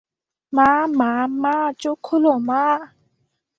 মা মা, মা, চোখ খোল, মা।